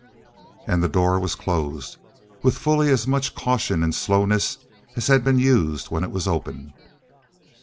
And the door was closed with fully as much caution and slowness as had been used when it was opened.